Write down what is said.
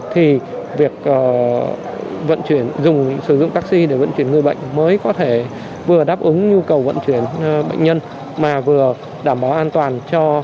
thì việc dùng sử dụng taxi để vận chuyển người bệnh mới có thể vừa đáp ứng nhu cầu vận chuyển bệnh nhân mà vừa đảm bảo an toàn cho người lái xe cũng như là cho xã hội